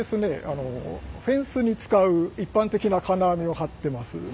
あのフェンスに使う一般的な金網を張ってます。